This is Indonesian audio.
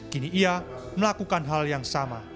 kini ia melakukan hal yang sama